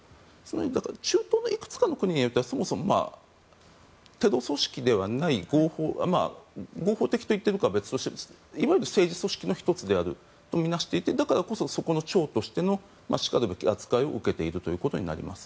中東のいくつかの国においてはテロ組織ではない合法的と言っているかは別としていわゆる政治組織の１つであると見なしていてだからこそ、そこの長としてのしかるべき扱いを受けているということになります。